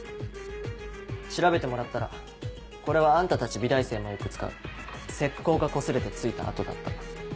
調べてもらったらこれはあんたたち美大生もよく使う石膏がこすれて付いた跡だった。